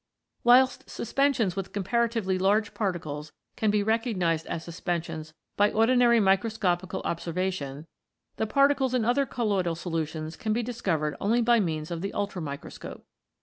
Whilst suspensions with comparatively large particles can be recognised as suspensions by ordinary microscopical observation, the particles in other colloidal solutions can be discovered only by means of the ultramicroscope.